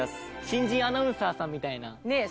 新人アナウンサーさんみたいな。ねえ。